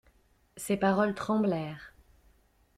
Ces paroles tremblèrent.